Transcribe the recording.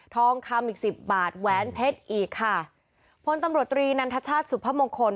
ทองคำอีกสิบบาทแหวนเพชรอีกค่ะพลตำรวจตรีนันทชาติสุพมงคล